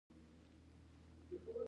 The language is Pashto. د ایوکاډو غوړي د څه لپاره وکاروم؟